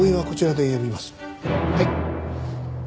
はい。